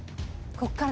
「ここから」